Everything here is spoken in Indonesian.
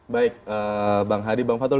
baik bang hadi bang fatul